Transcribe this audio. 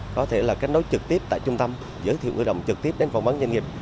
có thể là kết nối trực tiếp tại trung tâm giới thiệu người động trực tiếp đến phỏng vấn doanh nghiệp